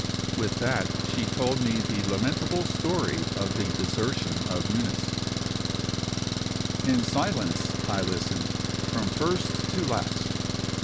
With that she told the lamentable story of the desertion of Eunice. In silence I listened, from first to last.